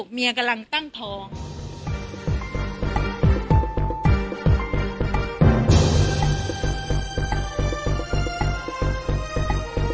กินโทษส่องแล้วอย่างนี้ก็ได้